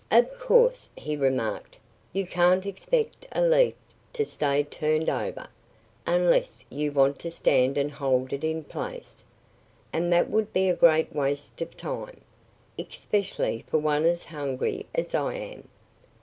"Of course," he remarked, "you can't expect a leaf to stay turned over, unless you want to stand and hold it in place. And that would be a great waste of time especially for one as hungry as I am."